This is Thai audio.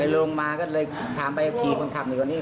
ลงมาก็เลยถามไปขี่คนขับหนึ่งกันนี่